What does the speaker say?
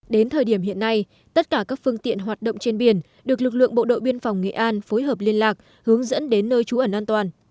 đến thời điểm hiện nay tất cả các phương tiện hoạt động trên biển được lực lượng bộ đội biên phòng nghệ an phối hợp liên lạc hướng dẫn đến nơi trú ẩn an toàn